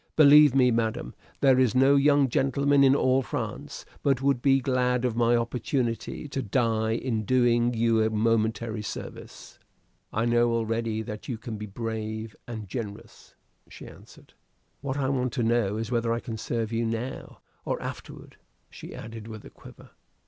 Believe me, madam, there is no young gentleman in all France but would be glad of my opportunity, to die in doing you a momentary service." "I know already that you can be very brave and generous," she answered. "What I want to know is whether I can serve you now or afterward," she added, with a quaver.